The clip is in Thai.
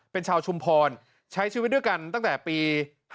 เป็นชาวชุมพลล์ใช้ชีวิตทั้งแต่ปี๕๓